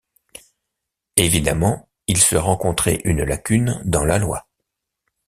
Évidemment il se rencontrait une lacune dans la loi.